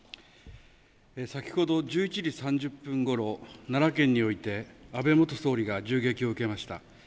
先ほど１１時３０分ごろ奈良県において安倍元総理大臣が銃撃を受けました。